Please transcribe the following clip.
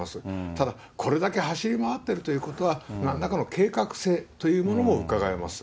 ただ、これだけ走り回ってるということは、なんらかの計画性というものもうかがえます。